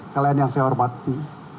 kalian yang saya hormati